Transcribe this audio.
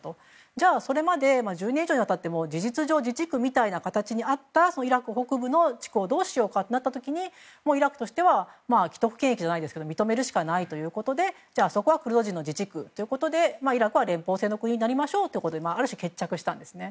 じゃあ、それまで１０年以上にわたって事実上自治区みたいな形にあったイラク北部の地区をどうしようかとなった時にイラクとしては既得権益じゃないですけど認めるしかないということでそこはクルド人の自治区ということでイラクは連邦制の国になりましょうと決着したんですね。